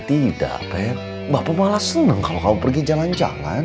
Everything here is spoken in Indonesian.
tidak peb bapak malah seneng kalo kamu pergi jalan jalan